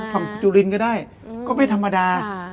ฝั่งจุลินก็ได้ก็ไม่ธรรมดา